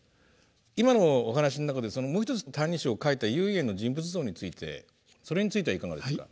今のお話の中でもう一つ「歎異抄」を書いた唯円の人物像についてそれについてはいかがですか？